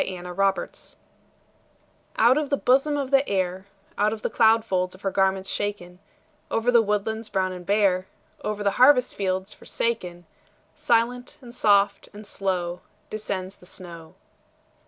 SNOW FLAKES Out of the bosom of the Air, Out of the cloud folds of her garments shaken, Over the woodlands brown and bare, Over the harvest fields forsaken, Silent, and soft, and slow Descends the snow.